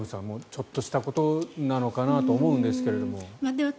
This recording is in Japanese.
ちょっとしたことなのかなと思うんですけれども。